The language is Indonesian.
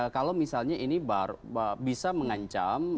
kalau misalnya ini bisa mengancam